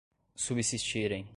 subsistirem